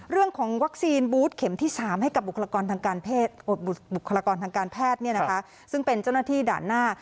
เรื่องของวัคซีนบูธเข็มที่๓ให้กับบุคลากรทางการแพทย์บุคลากรทางการแพทย์ซึ่งเป็นเจ้าหน้าที่ด่านหน้า